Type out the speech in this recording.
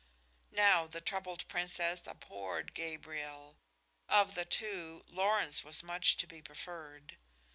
Now, the troubled Princess abhorred Gabriel. Of the two, Lorenz was much to be preferred.